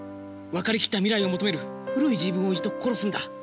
分かりきった未来を求める古い自分を一度殺すんだ。